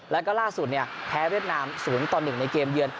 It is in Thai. แล้วก็ล่าสุดแพ้เวียดนาม๐ต่อ๑ในเกมเยือน